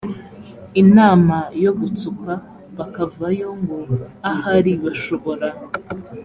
inama yo gutsuka bakavayo ngo ahari bashobora